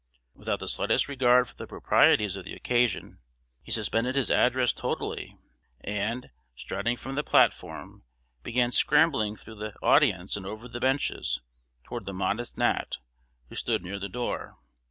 Without the slightest regard for the proprieties of the occasion, he suspended his address totally, and, striding from the platform, began scrambling through the audience and over the benches, toward the modest Nat, who stood near the door.